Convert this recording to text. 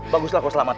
baguslah kau selamat